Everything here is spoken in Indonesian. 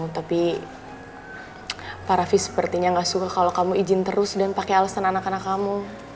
tapi pak rafis sepertinya gak suka kalau kamu izin terus dan pakai alasan anak anak kamu